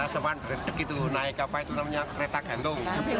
nah semuanya berdek itu naik apa itu namanya kereta gantung